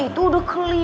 aku mau ke rumah